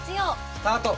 スタート！